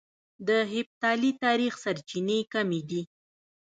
د هېپتالي تاريخ سرچينې کمې دي